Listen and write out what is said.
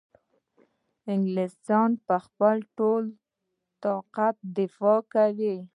انګلیسیان به په خپل ټول طاقت دفاع کوي.